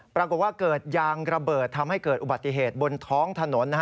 ปรากฏว่าเกิดยางระเบิดทำให้เกิดอุบัติเหตุบนท้องถนน